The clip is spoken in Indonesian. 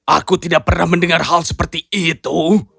aku tidak pernah mendengar hal seperti itu